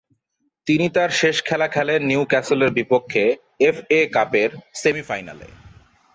তিনি তার শেষ খেলা খেলেন নিউক্যাসলের বিপক্ষে এফ.এ. কাপের সেমি ফাইনালে।